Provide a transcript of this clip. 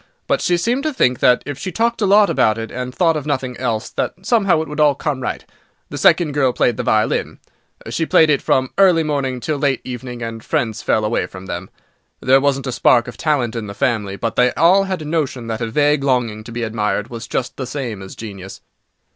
But she seemed to think that, if she talked a lot about it, and thought of nothing else, that somehow it would all come right. The second girl played the violin. She played it from early morning till late evening, and friends fell away from them. There wasn't a spark of talent in the family, but they all had a notion that a vague longing to be admired was just the same as genius.